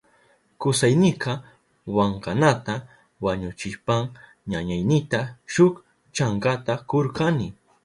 Kusaynika wankanata wañuchishpan ñañaynita shuk chankata kurkani.